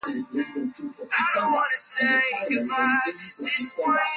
edda sanga alifanya mahojiano na assumpta massoi